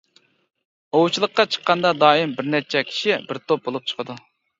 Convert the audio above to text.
ئوۋچىلىققا چىققاندا دائىم بىرنەچچە كىشى بىر توپ بولۇپ چىقىدۇ.